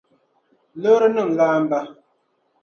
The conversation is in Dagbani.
loorinim' laamba.